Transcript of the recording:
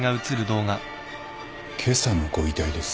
今朝のご遺体です。